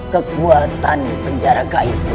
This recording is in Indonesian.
kekuatan penjara kaitku